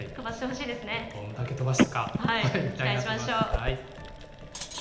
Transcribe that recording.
どれだけ飛ばしたか、見たい期待しましょう。